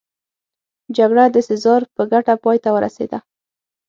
جګړه د سزار په ګټه پای ته ورسېده